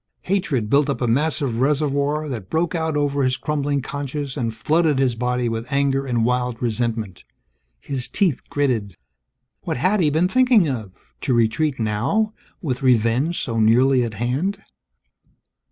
Hatred built up a massive reservoir, that broke out over his crumbling conscience and flooded his body with anger and wild resentment. His teeth gritted. What had he been thinking of to retreat now, with revenge so nearly at hand!